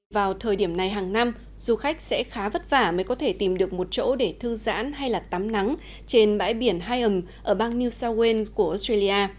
vào thời điểm này hàng năm du khách sẽ khá vất vả mới có thể tìm được một chỗ để thư giãn hay là tắm nắng trên bãi biển higham ở bang new south wales của australia